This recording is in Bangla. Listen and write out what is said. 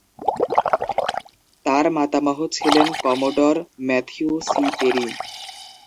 তাঁর মাতামহ ছিলেন কমোডর ম্যাথিউ সি. পেরি।